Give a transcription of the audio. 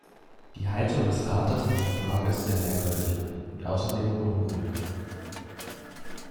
Die Haltung des Rates in dieser Frage ist sehr merkwürdig und außerdem beunruhigend.